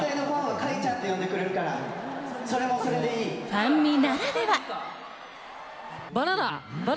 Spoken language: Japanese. ファンミならでは。